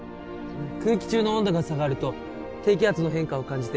空気中の温度が下がると低気圧の変化を感じて